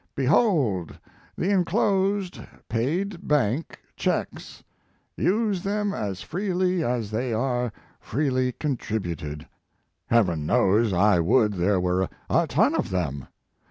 Behold the enclosed (paid bank) checks. Use them as freely as they are freely contributed. Heavens knows I would there were a ton of them.